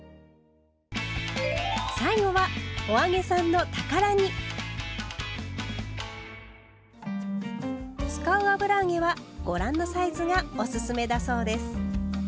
最後は使う油揚げはご覧のサイズがおすすめだそうです。